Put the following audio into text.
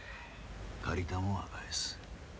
借りたもんは返す。